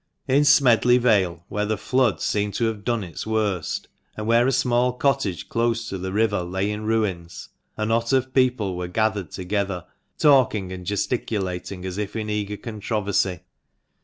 In Smedley Vale, where the flood seemed to have done its worst, and where a small cottage close to the river lay in ruins, a knot of people were gathered together talking and gesticulating as if in eager controversy.